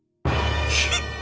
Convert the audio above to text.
「ヒッ！」。